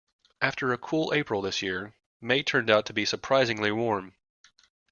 After a cool April this year, May turned out to be surprisingly warm